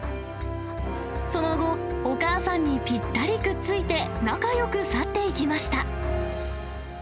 その後、お母さんにぴったりくっついて、仲よく去っていきました。